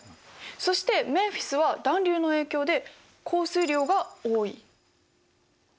そしてメンフィスは暖流の影響で降水量が多い。